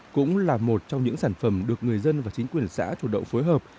cũng là một trong những sản phẩm được người dân và chính quyền xã chủ động phối hợp